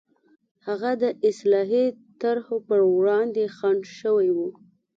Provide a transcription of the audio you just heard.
هغه د اصلاحي طرحو پر وړاندې خنډ شوي وو.